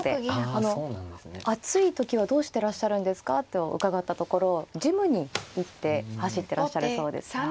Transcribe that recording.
あの「暑い時はどうしてらっしゃるんですか？」と伺ったところジムに行って走ってらっしゃるそうですよ。